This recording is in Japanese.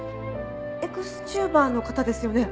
エクスチューバーの方ですよね？